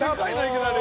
いきなり。